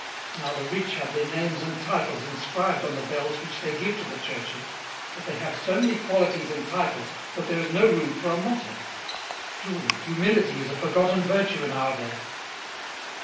Now the rich have their names and titles inscribed on the bells which they give to the churches, but they have so many qualities and titles that there is no room for a motto. Truly, humility is a forgotten virtue in our day."